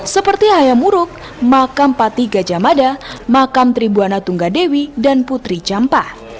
seperti hayamuruk makam pati gajah mada makam tribuana tunggadewi dan putri campah